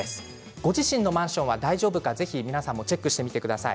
ご自身のマンションは大丈夫かチェックしてみてください。